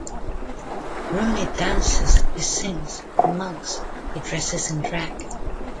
Rooney dances, he sings, he mugs, he dresses in drag.